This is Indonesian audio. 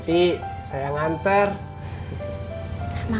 kita coba biasa importantnya juga